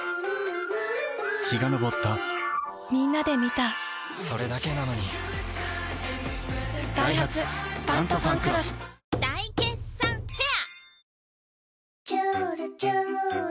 陽が昇ったみんなで観たそれだけなのにダイハツ「タントファンクロス」大決算フェア